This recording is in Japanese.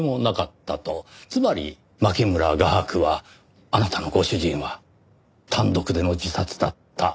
つまり牧村画伯はあなたのご主人は単独での自殺だった。